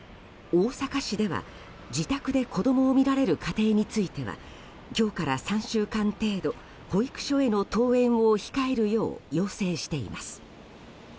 大阪市では自宅で子供を見られる家庭については今日から３週間程度保育所への登園を控えるよう要請しています。